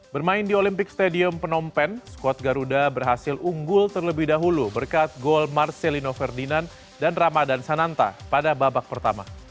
bermain di olympic stadium penompen squad garuda berhasil unggul terlebih dahulu berkat gol marcelino ferdinand dan ramadan sananta pada babak pertama